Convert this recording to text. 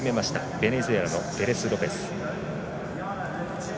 ベネズエラのペレスロペス。